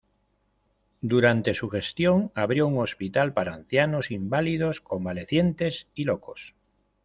Durante su gestión abrió un hospital para ancianos, inválidos, convalecientes y locos.